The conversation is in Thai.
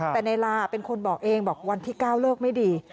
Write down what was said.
แต่นายลาเป็นคนบอกเองบอกวันที่๙เลิกไม่ดี